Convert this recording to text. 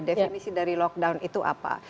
definisi dari lockdown itu apa